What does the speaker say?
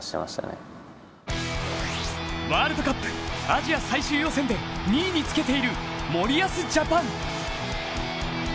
ワールドカップアジア最終予選で２位につけている森保ジャパン。